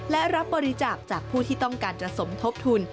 และรับบริจาคจากผู้ที่ต้องการจะสมทบทุน